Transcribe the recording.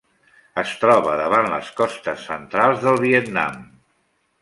Es troba davant les costes centrals del Vietnam.